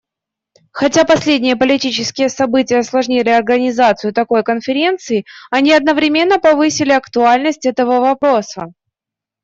Хотя последние политические события осложнили организацию такой конференции, они одновременно повысили актуальность этого вопроса.